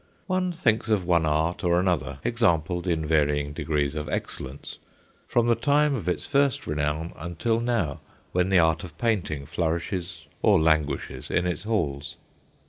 One thinks of one art or another, exampled in varying degrees of excellence, from the time of its first renown until now when the art of painting flourishes or languishes in its halls.